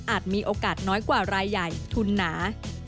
มีโอกาสน้อยกว่ารายใหญ่ทุนหนา